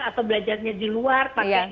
atau belajarnya di luar pakai